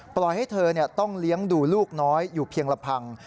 ปล่อยให้เธอต้องเลี้ยงดูลูกน้อยอยู่เพียงลำพัง